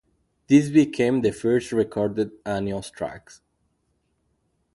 These became the first recorded Annuals tracks.